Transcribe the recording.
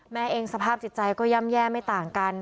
แม่เองสภาพจิตใจก็ย่ำแย่ไม่ต่างกัน